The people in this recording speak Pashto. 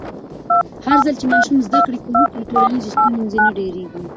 هرځل چې ماشوم زده کړه وکړي، ټولنیز ستونزې نه ډېرېږي.